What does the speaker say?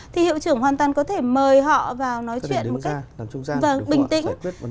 thì hiệu trưởng hoàn toàn có thể mời họ vào nói chuyện một cách bình tĩnh